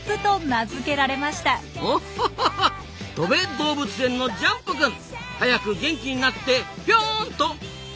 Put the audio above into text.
とべ動物園のジャンプくん早く元気になってピョーンと「とべ」